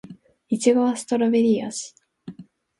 いちごはストベリー味